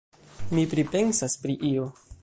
Mi pripensas pri io.